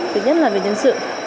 thứ nhất là về nhân sự